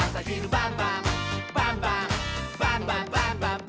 「バンバンバンバンバンバン！」